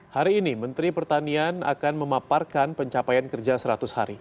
hari ini menteri pertanian akan memaparkan pencapaian kerja seratus hari